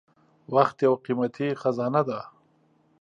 • وخت یو قیمتي خزانه ده.